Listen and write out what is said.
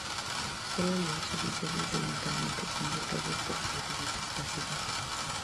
Solo los oficiales de ayuntamiento son votados por los residentes de la ciudad.